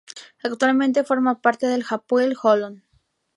Actualmente forma parte del Hapoel Holon.